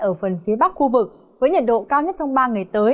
ở phần phía bắc khu vực với nhiệt độ cao nhất trong ba ngày tới